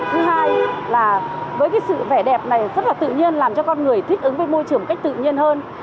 thứ hai là với cái sự vẻ đẹp này rất là tự nhiên làm cho con người thích ứng với môi trường một cách tự nhiên hơn